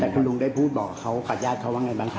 คุณลุงได้พูดบอกเขาอาจราจเขาว่าอย่างไรบ้างค่ะ